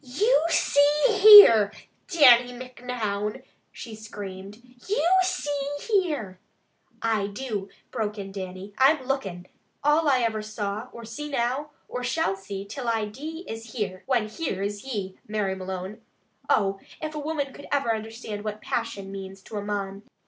"You see here, Dannie Micnoun!" she screamed. "You see here " "I do," broke in Dannie. "I'm lookin'! All I ever saw, or see now, or shall see till I dee is 'here,' when 'here' is ye, Mary Malone. Oh! If a woman ever could understand what passion means to a mon!